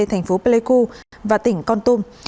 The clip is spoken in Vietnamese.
thành phố pleiku và tỉnh con tum